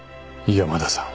山田さん。